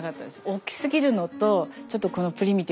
大きすぎるのとちょっとこのプリミティブな感じが。